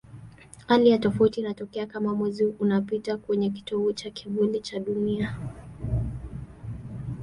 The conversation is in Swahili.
Hali ya tofauti inatokea kama Mwezi unapita kwenye kitovu cha kivuli cha Dunia.